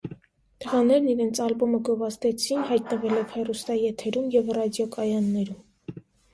Տղաներն իրենց ալբոմը գովազդեցին հայտնվելով հեռուստաեթերում և ռադիոկայաններում։